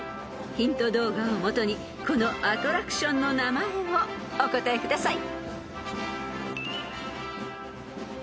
［ヒント動画をもとにこのアトラクションの名前をお答えください］